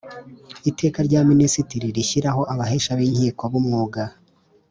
Iteka rya Minisitiri rishyiraho Abahesha b’ Inkiko b Umwuga